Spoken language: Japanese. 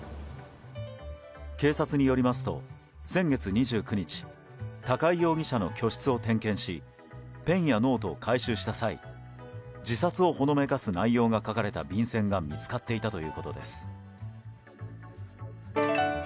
警察によりますと、先月２９日高井容疑者の居室を点検しペンやノートを回収した際自殺をほのめかす内容が書かれた便箋が見つかっていたということです。